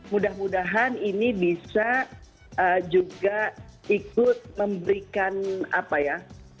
mudah mudahan ini bisa juga ikut memberikan apa ya